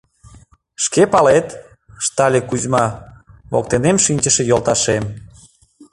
«Шке палет», — ыштале Кузьма, воктенем шинчыше йолташем.